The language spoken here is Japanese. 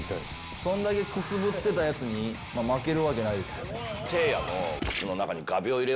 そんだけくすぶってたやつに負けるわけないですよ。